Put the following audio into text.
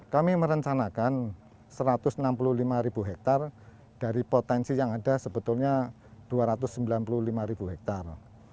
kami merencanakan satu ratus enam puluh lima hektar dari potensi yang ada sebetulnya dua ratus sembilan puluh lima hektar